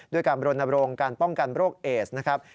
ด้วยการบรณรงค์การป้องกันโรคเอสนะครับ